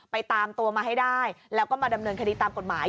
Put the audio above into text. ตามตัวมาให้ได้แล้วก็มาดำเนินคดีตามกฎหมาย